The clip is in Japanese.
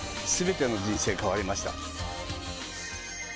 全ての人生変わりました。